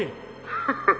ハハハ